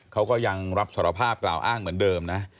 เขาก็ยังรับสารภาพกล่าวอ้างเหมือนเดิมนะ